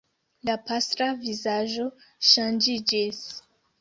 La pastra vizaĝo ŝanĝiĝis.